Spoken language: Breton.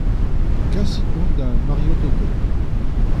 Kasit ac'hanon d'ar Mariott Hotel.